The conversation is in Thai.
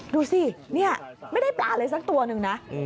ดูสิเนี่ยไม่ได้ปลาเลยสักตัวนึงนะ